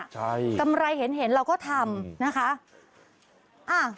ใช่ประมาณเห็นเราก็ทำนะครับ